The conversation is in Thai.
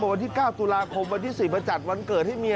วันที่๙ตุลาคมวันที่๔มาจัดวันเกิดให้เมีย